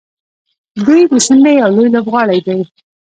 دوی د سیمې یو لوی لوبغاړی دی.